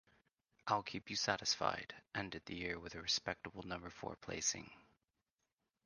"I'll Keep You Satisfied" ended the year with a respectable number four placing.